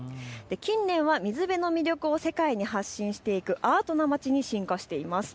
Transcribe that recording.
近年は水辺の魅力を世界に発信していくアートな街に進化しています。